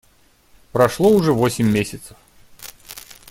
Прошло уже восемь месяцев.